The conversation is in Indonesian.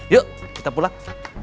yuk kita pulang